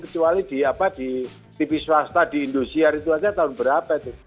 kecuali di tv swasta di industriar itu aja tahun berapa itu